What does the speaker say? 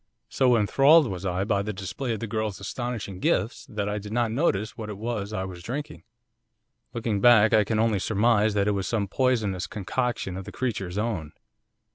So enthralled was I by the display of the girl's astonishing gifts that I did not notice what it was I was drinking. Looking back I can only surmise that it was some poisonous concoction of the creature's own.